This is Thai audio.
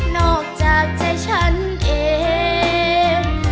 อกจากใจฉันเอง